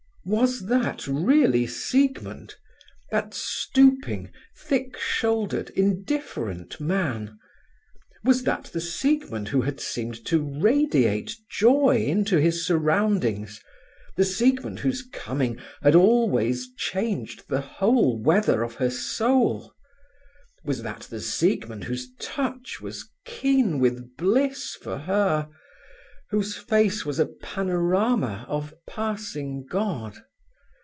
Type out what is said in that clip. Was that really Siegmund, that stooping, thick shouldered, indifferent man? Was that the Siegmund who had seemed to radiate joy into his surroundings, the Siegmund whose coming had always changed the whole weather of her soul? Was that the Siegmund whose touch was keen with bliss for her, whose face was a panorama of passing God?